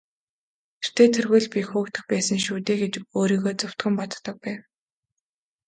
Тэртэй тэргүй л би хөөгдөх байсан шүү дээ гэж өөрийгөө зөвтгөн боддог байв.